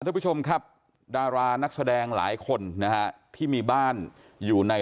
ทุกผู้ชมครับดารานักแสดงหลายคนนะฮะที่มีบ้านอยู่ใน